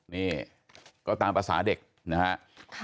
นี่ก็ตามภาษาเด็กนะฮะ